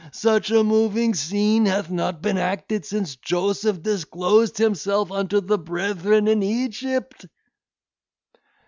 such a moving scene hath not been acted since Joseph disclosed himself unto his brethren in Egypt."